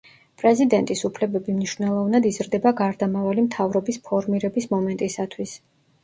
პრეზიდენტის უფლებები მნიშვნელოვნად იზრდება გარდამავალი მთავრობის ფორმირების მომენტისათვის.